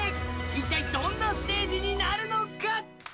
一体どんなステージになるのか。